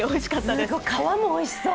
すごい、皮もおいしそう。